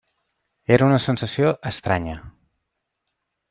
Era una sensació estranya.